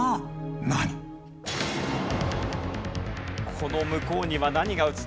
この向こうには何が映っているか？